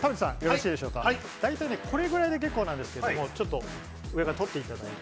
これぐらいで結構なんですけど、上から取っていただいて。